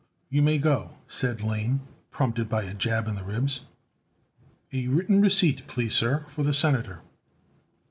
"You may go," said Lane, prompted by a jab in the ribs. "A written receipt, please, sir, for the senator."